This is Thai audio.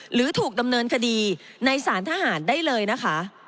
หรือถูกดำเนินคดีในสารทหารได้เลยนะคะ